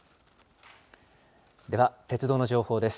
では、鉄道の情報です。